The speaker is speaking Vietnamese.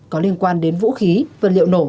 có liên quan đến vũ khí vật liệu nổ